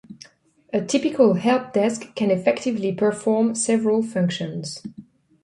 A typical help desk can effectively perform several functions.